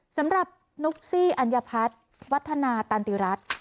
สำหรับนุกซี่อัญพัดวัฒนาตันติรัฐ